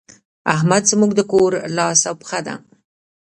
احمد زموږ د کور لاس او پښه دی.